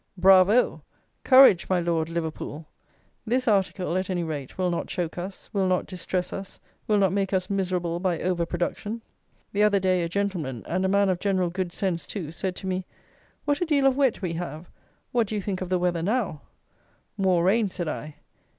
Bravo! Courage, my Lord Liverpool! This article, at any rate, will not choak us, will not distress us, will not make us miserable by "over production!" The other day a gentleman (and a man of general good sense too) said to me: "What a deal of wet we have: what do you think of the weather now?" "More rain," said I.